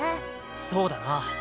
そうだな。